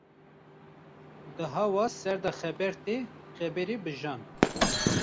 Di hawa sar de xeber tê, xeberê bi jan.